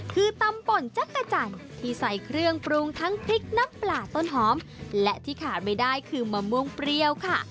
คือตำป่นจักรจันทร์ที่ใส่เครื่องปรุงทั้งพริกน้ำปลาต้นหอมและที่ขาดไม่ได้คือมะม่วงเปรี้ยวค่ะ